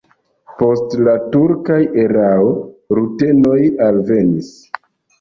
Post la turka erao rutenoj alvenis.